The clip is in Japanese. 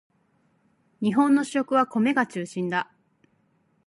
日本の主食は米が中心だ